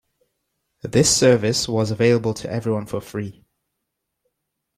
This service was available to everyone for free.